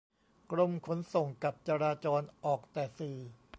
กรมขนส่งกับจราจรออกแต่สื่อ